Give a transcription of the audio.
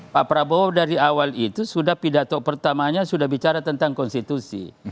pak prabowo dari awal itu sudah pidato pertamanya sudah bicara tentang konstitusi